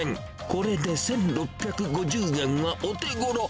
これで１６５０円はお手ごろ。